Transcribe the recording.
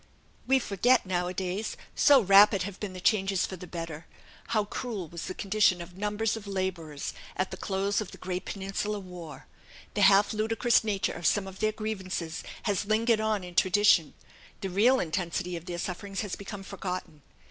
We forget, now a days, so rapid have been the changes for the better, how cruel was the condition of numbers of labourers at the close of the great Peninsular war. The half ludicrous nature of some of their grievances has lingered on in tradition; the real intensity of their sufferings has become forgotten.